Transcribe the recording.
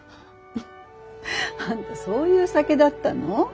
フッあんたそういう酒だったの？